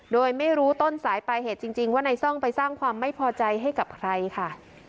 โดยไม่รู้ต้นสายปลายเหตุจริงว่านายซ่องไปสร้างความไม่พอใจให้กับใครค่ะ